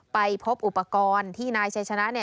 ไปพบอุปกรณ์ที่นายชัยชนะเนี่ย